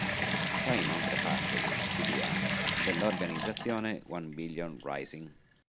Fa inoltre parte del CdA dell'organizzazione One Billion Rising.